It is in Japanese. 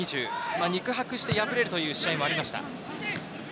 肉薄して敗れるという試合もありました。